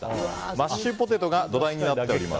マッシュポテトが土台になっております。